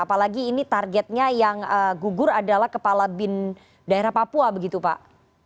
apalagi ini targetnya yang gugur adalah kepala bin daerah papua begitu pak